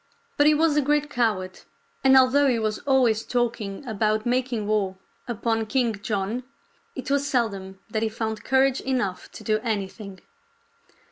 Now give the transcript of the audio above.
But he was a great coward, loS KING JOHN AND PRINCE ARTHUR 109 and although he was always talking about making war upon King John, it was seldom that he found courage enough to do anything.